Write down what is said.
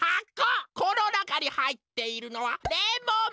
このなかにはいっているのはレモン。